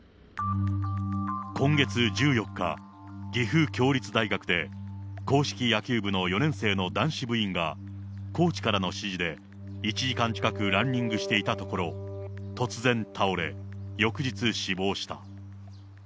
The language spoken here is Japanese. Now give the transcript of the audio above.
今月１４日、岐阜協立大学で硬式野球部の４年生の男子部員が、コーチからの指示で１時間近くランニングしていたところ、突然倒れ、翌日死亡した。